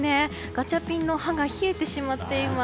ガチャピンの歯が冷えてしまっています。